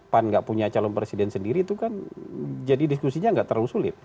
pan gak punya calon presiden sendiri itu kan jadi diskusinya nggak terlalu sulit